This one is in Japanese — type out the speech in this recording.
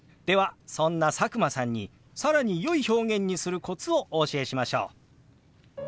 そんな佐久間さんに更によい表現にするコツをお教えしましょう。